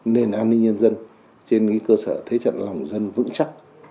nền an ninh nhân dân trên cơ sở thế trận lòng dân vững chắc